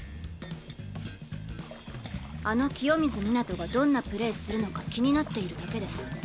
あの清水みなとがどんなプレーするのか気になっているだけです。